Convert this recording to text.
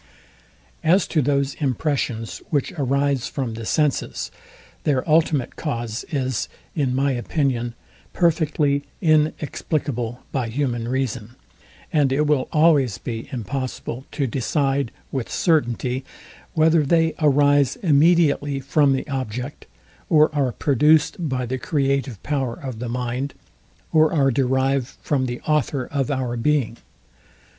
As to those impressions, which arise from the senses, their ultimate cause is, in my opinion, perfectly inexplicable by human reason, and it will always be impossible to decide with certainty, whether they arise immediately from the object, or are produced by the creative power of the mind, or are derived from the author of our being.